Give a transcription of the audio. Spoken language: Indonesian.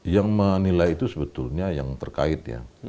yang menilai itu sebetulnya yang terkait ya